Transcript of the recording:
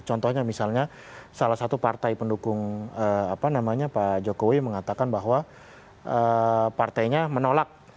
contohnya misalnya salah satu partai pendukung pak jokowi mengatakan bahwa partainya menolak